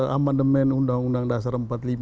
amandemen undang undang dasar empat puluh lima